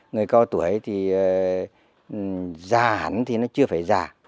người cao tuổi thì già hẳn thì nó chưa phải già